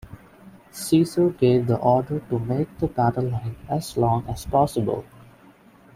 Caesar gave the order to make the battle line as long as possible.